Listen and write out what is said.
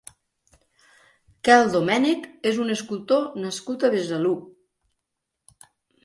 Kel Domènech és un escultor nascut a Besalú.